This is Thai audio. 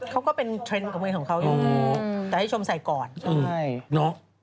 เขาก็เป็นเทรนด์กับเมืองของเขาอยู่